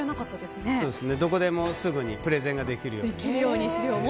どこでもすぐにプレゼンができるように。